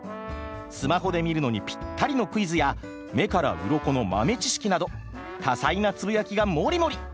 スマホで見るのにピッタリのクイズや目からウロコの豆知識など多彩なつぶやきがモリモリ！